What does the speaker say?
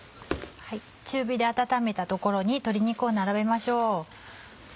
中火で温めたところに鶏肉を並べましょう。